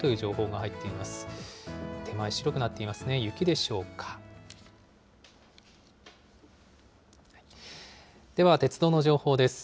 では鉄道の情報です。